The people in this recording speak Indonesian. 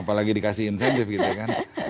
apalagi dikasih insentif gitu kan